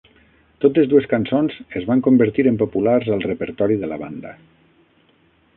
Totes dues cançons es van convertir en populars al repertori de la banda.